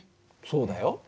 そうだよ。